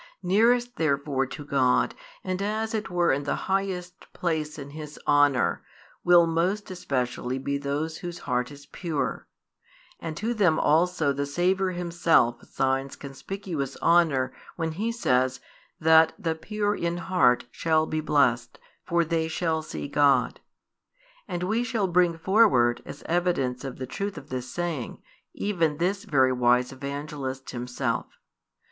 Nearest therefore to God, and as it were in the highest place in His honour, will most especially be those whose heart is pure: and to them also the Saviour Himself assigns conspicuous honour when He says that the pure in heart shall be |198 blessed, for they shall see God. And we shall bring forward, as evidence of the truth of this saying, even this very wise Evangelist himself.